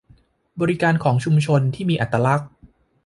บริการของชุมชนที่มีอัตลักษณ์